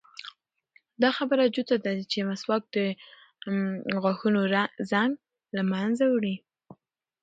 دا خبره جوته ده چې مسواک د غاښونو زنګ له منځه وړي.